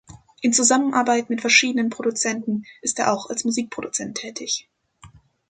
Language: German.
In Zusammenarbeit mit verschiedenen Produzenten ist er auch als Musikproduzent tätig.